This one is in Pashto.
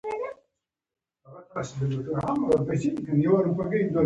بیهي د زړه فعالیت ښه کوي.